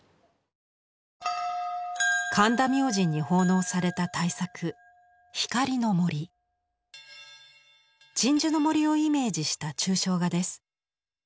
神田明神に奉納された大作鎮守の森をイメージした抽象画です。